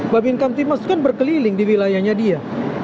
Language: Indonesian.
babin kamtipmas itu kan berkeliling di wilayahnya dia